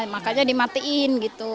makanya dimatiin gitu